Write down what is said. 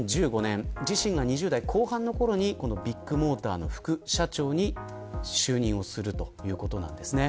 そして２０１５年自身が２０代後半のころにビッグモーターの副社長に就任をするということです。